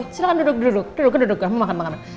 silahkan duduk dulu duduk duduk